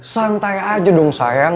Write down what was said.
santai aja dong sayang